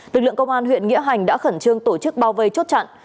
lực lượng công an huyện nghĩa hành đã khẩn trương tổ chức bao vây chốt chặn